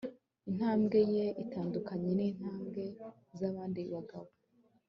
Intambwe ye itandukanye nintambwe zabandi bagabo